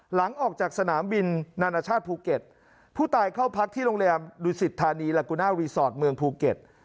หลังจากออกจากสนามบินนานาชาติภูเก็ตผู้ตายเข้าพักที่โรงแรมดุสิทธานีลากุนารีสอร์ทเมืองภูเก็ต